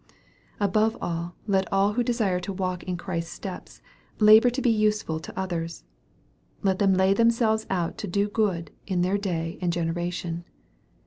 Above all, let all who desire to walk in Christ's steps labor to be useful to others. Let them lay themselves out to do good in their day and generation.